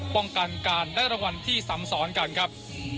ป้องกันการได้รางวัลที่ซ้ำซ้อนกันครับ